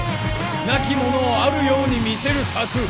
無きものを有るように見せる策。